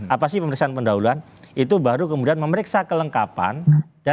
apa sih pemeriksaan pendahuluan itu baru kemudian memeriksa kelengkapan